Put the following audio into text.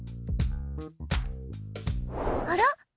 あら？